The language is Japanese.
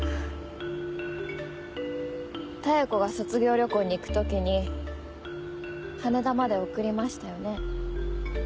妙子が卒業旅行に行く時に羽田まで送りましたよね。